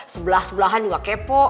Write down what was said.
sebelah sebelahan juga kepo